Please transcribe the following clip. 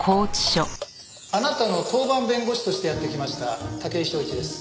あなたの当番弁護士としてやって来ました武井昭一です。